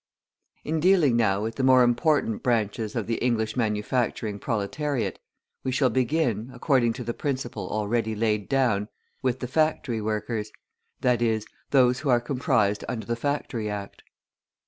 In dealing now with the more important branches of the English manufacturing proletariat, we shall begin, according to the principle already laid down, with the factory workers, i.e., those who are comprised under the Factory Act.